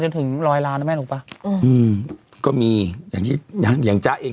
ถึงร้อยล้านนะแม่หนูป่ะอืมก็มีอย่างที่นะอย่างจ๊ะเอง